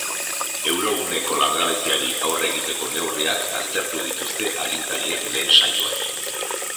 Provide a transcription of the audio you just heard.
Euroguneko langabeziari aurre egiteko neurriak aztertu dituzte agintariek lehen saioan.